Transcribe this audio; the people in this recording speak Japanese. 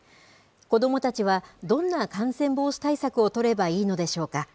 子どもたちはどんな感染防止対策を取ればよいのでしょうか。